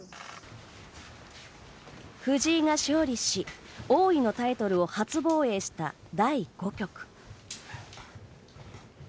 藤井が勝利し、王位のタイトルを初防衛した第５局。